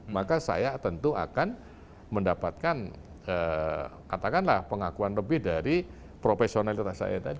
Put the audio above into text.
maka saya tentu akan mendapatkan katakanlah pengakuan lebih dari profesionalitas saya tadi